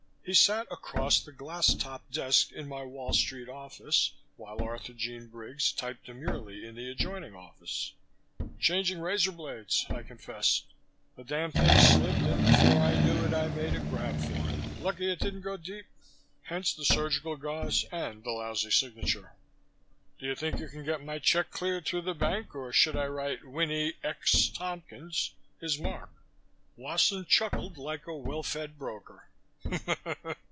He sat across the glass topped desk in my Wall Street Office, while Arthurjean Briggs typed demurely in the adjoining office. "Changing razor blades," I confessed. "The damn thing slipped and before I knew it I made a grab for it. Lucky it didn't go deep. Hence the surgical gauze and the lousy signature. Do you think you can get my check cleared through the bank or should I write Winnie 'X' Tompkins, his mark?" Wasson chuckled like a well fed broker.